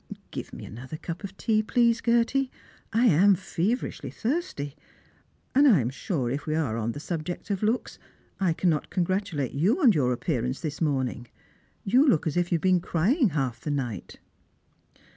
Give me another cup of tea, please, Gerty ; I am feverishly thirsty. And I am sure, if we are on the subject of looks, I cannot congratu late you on your appearance this morning ; you look as if you had been crying half the night."